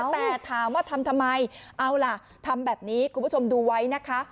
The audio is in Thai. แต่ถามว่าทำทำไมเอาล่ะทำแบบนี้คุณผู้ชมดูไว้นะคะ